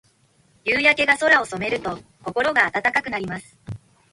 夕焼けが空を染めると、心が温かくなります。